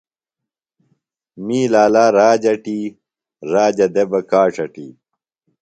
می لا لا راج اٹی، راجہ دےۡ بہ کاڇ اٹی